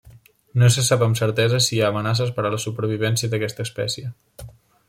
No se sap amb certesa si hi ha amenaces per a la supervivència d'aquesta espècie.